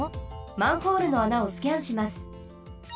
マンホールの穴をスキャンします。